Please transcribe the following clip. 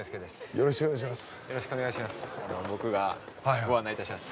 よろしくお願いします。